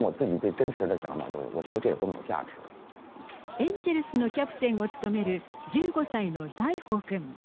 エンジェルスのキャプテンを務める１５歳の大宝くん。